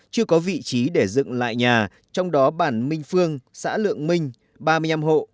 chưa có vị trí để dựng lại nhà trong đó bản minh phương xã lượng minh ba mươi năm hộ